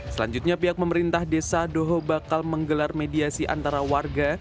selanjutnya pihak pemerintah desa doho bakal menggelar mediasi antara warga